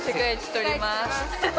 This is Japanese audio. とります。